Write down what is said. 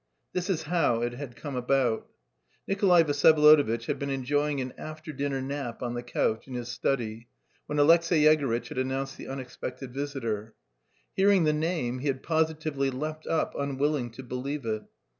This is how it had come about. Nikolay Vsyevolodovitch had been enjoying an after dinner nap on the couch in his study when Alexey Yegorytch had announced the unexpected visitor. Hearing the name, he had positively leapt up, unwilling to believe it.